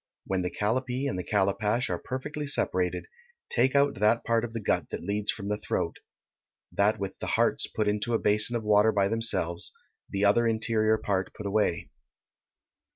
When the callipee and the callipash are perfectly separated, take out that part of the gut that leads from the throat; that with the hearts put into a basin of water by themselves, the other interior part put away.